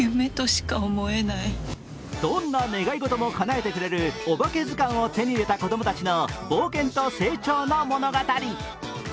どんな願い事もかなえてくれるおばけずかんを手に入れた子どもたちの冒険と成長の物語。